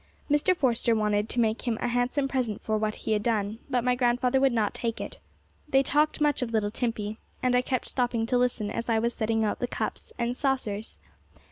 Mr. Forster wanted to make him a handsome present for what he had done; but my grandfather would not take it. They talked much of little Timpey, and I kept stopping to listen as I was setting out the cups and saucers.